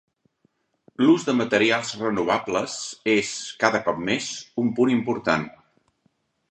L'ús de materials renovables és, cada cop més, un punt important.